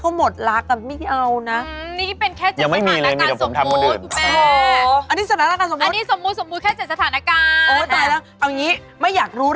เธอทำให้เขาหมดรักต่อไม่เอานะ